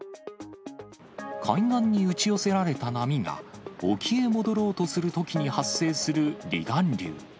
海岸に打ち寄せられた波が沖へ戻ろうとするときに発生する離岸流。